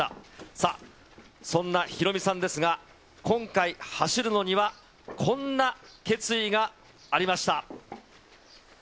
さあ、そんなヒロミさんですが、今回、走るのにはこんな決意がありました。